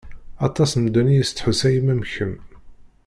Aṭas n medden i yestḥussayen am kemm.